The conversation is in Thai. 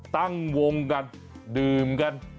ตั้งวงกันดื่มกัน